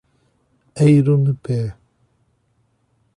Eirunepé